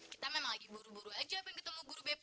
kita memang lagi buru buru aja pengen ketemu guru bp